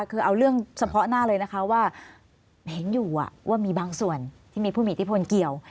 คือเอาเรื่องเฉพาะหน้าเลยนะคะว่าเห็นอยู่ว่ามีบางส่วนที่มีผู้มีอิทธิพลเกี่ยว